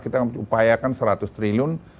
kita upayakan seratus triliun